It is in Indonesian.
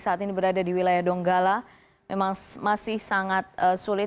saat ini berada di wilayah donggala memang masih sangat sulit